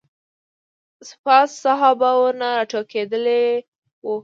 سپاه صحابه ورنه راټوکېدلي وو.